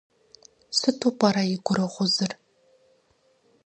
Сыту пӏэрэ и гурыгъузыр?